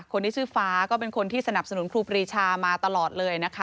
คนที่ชื่อฟ้าก็เป็นคนที่สนับสนุนครูปรีชามาตลอดเลยนะคะ